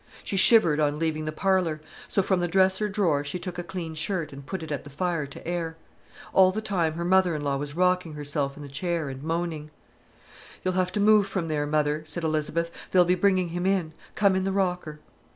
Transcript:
She shivered on leaving the parlour; so, from the dresser drawer she took a clean shirt and put it at the fire to air. All the time her mother in law was rocking herself in the chair and moaning. "You'll have to move from there, mother," said Elizabeth. "They'll be bringing him in. Come in the rocker."